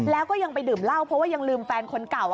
แล้วก็ยังไปดื่มเหล้าเพราะว่ายังลืมแฟนคนเก่า